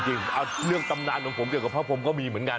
จริงเรื่องตำนานของผมเกี่ยวกับพระพรมก็มีเหมือนกัน